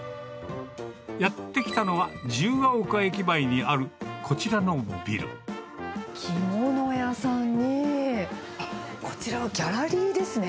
やって来たのは、着物屋さんに、こちらはギャラリーですね。